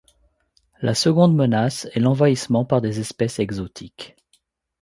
La seconde menace est l’envahissement par des espèces exotiques.